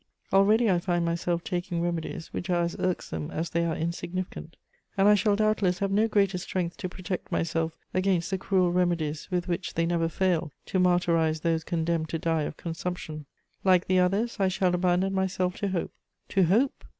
Already I find myself taking remedies which are as irksome as they are insignificant, and I shall doubtless have no greater strength to protect myself against the cruel remedies with which they never fail to martyrize those condemned to die of consumption. Like the others, I shall abandon myself to hope: to hope!